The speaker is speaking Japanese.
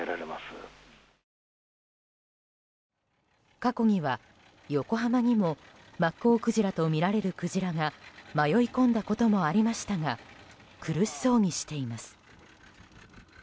過去には横浜にもマッコウクジラとみられるクジラが迷い込んだこともありましたが苦しそうにしています。